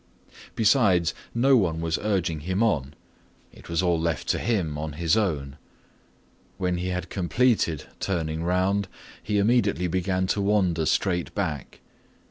Besides, no one was urging him on. It was all left to him on his own. When he had completed turning around, he immediately began to wander straight back.